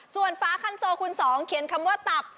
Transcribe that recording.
ส่วนฟ้าคันโซคูณ๒เขียนคำว่าตับ